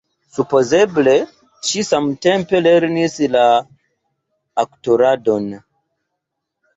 Supozeble ŝi samtempe lernis la aktoradon.